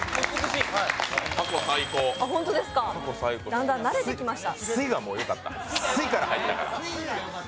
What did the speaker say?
だんだん慣れてきました。